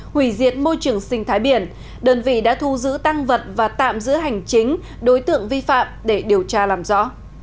hủy diệt môi trường sinh thái biển đơn vị đã thu giữ tăng vật và tạm giữ hành chính đối tượng vi phạm để điều tra làm rõ